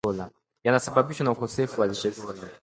yanasababishwa na ukosefu wa lishe bora